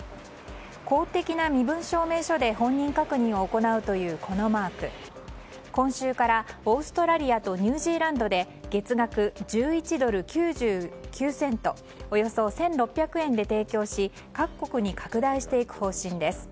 公的な身分証明書で本人確認を行うというマーク今週から、オーストラリアとニュージーランドで月額１１ドル９９セントおよそ１６００円で提供し各国に拡大していく方針です。